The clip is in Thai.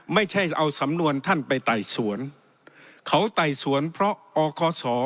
ไม่ใช่เอาสำนวนท่านไปไต่สวนเขาไต่สวนเพราะอคศ